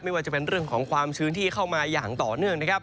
ว่าจะเป็นเรื่องของความชื้นที่เข้ามาอย่างต่อเนื่องนะครับ